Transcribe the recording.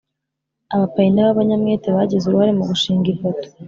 Abapayiniya b abanyamwete bagize uruhare mu gushing ipoto